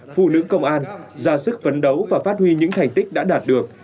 phụ nữ công an ra sức phấn đấu và phát huy những thành tích đã đạt được